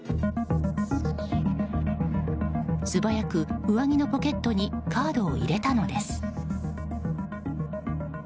素早く上着のポケットにカードを入れたのです。